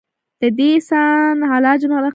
د دې اسان علاج مراقبه دے -